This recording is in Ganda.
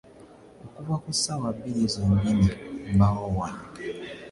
Okuva ku ssaawa bbiri zennyini mbaawo wano.